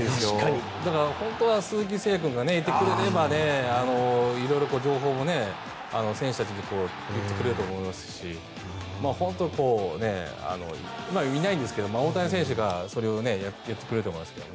だから本当は鈴木誠也君がいてくれれば色々情報も選手たちに言ってくれると思いますし本当にいないんですけど大谷選手がそれをやってくれると思いますけど。